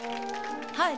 はい。